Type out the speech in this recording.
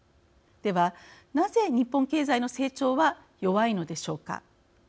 では、なぜ日本経済の成長は弱いのでしょうか。